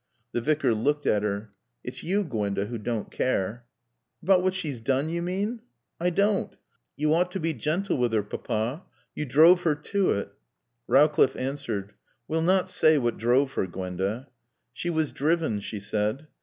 The Vicar looked at her. "It's you, Gwenda, who don't care." "About what she's done, you mean? I don't. You ought to be gentle with her, Papa. You drove her to it." Rowcliffe answered. "We'll not say what drove her, Gwenda." "She was driven," she said.